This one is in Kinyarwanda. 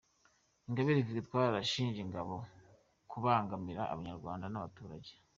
Ingabire Victoire arashinja Ingabo kubangamira abanyarwanda n’abaturage.